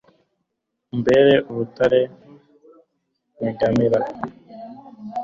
umbere urutare negamira